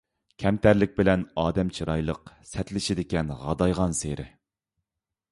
كەمتەرلىك بىلەن ئادەم چىرايلىق، سەتلىشىدىكەن غادايغانسېرى.